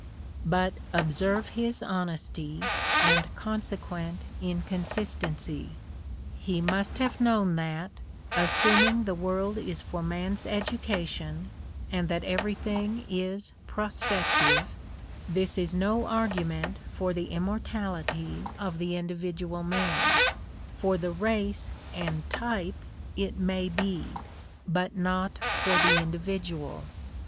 But observe his honesty and consequent incon sistency. He must have known that, assuming the world is for man's education, and that every thing is prospective, this is no argument for the immortality of individual man — ^for the race and type it may be, but not for the individual.